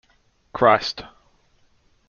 Christ.